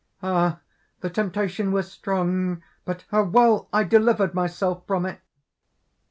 _) "Ah! the temptation was strong! But how well I delivered myself from it!"